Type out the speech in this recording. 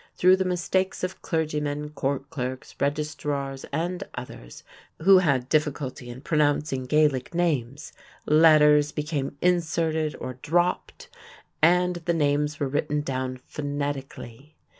Through the mistakes of clergymen, court clerks, registrars, and others who had difficulty in pronouncing Gaelic names, letters became inserted or dropped and the names were written down phonetically.